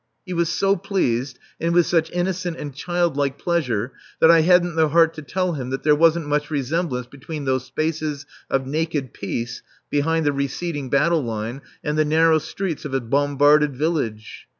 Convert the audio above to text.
He was so pleased, and with such innocent and childlike pleasure, that I hadn't the heart to tell him that there wasn't much resemblance between those spaces of naked peace behind the receding battle line and the narrow streets of a bombarded village.